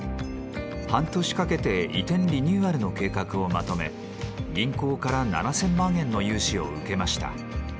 半年かけて移転リニューアルの計画をまとめ銀行から７，０００万円の融資を受けました。